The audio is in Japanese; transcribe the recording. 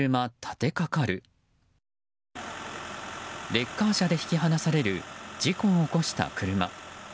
レッカー車で引き離される事故を起こした車。